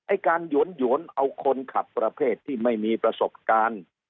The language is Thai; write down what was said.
การหยวนเอาคนขับประเภทที่ไม่มีประสบการณ์